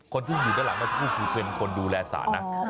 คนที่อยู่ด้านหลังมันคือคนดูแลสารนะ